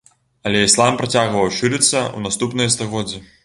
Але іслам працягваў шырыцца ў наступныя стагоддзі.